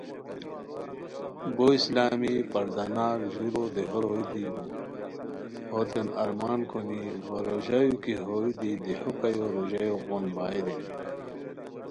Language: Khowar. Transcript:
بو اسلامی، پردہ ناک، ژورو دیہو روئے دی ہوتین ارمان کونی، روژایو کی ہوئے دی دیہوکایو روژایو غون بائے رینی